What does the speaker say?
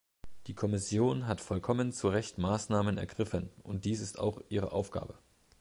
Die Kommission hat vollkommen zu Recht Maßnahmen ergriffen, und dies ist auch ihre Aufgabe.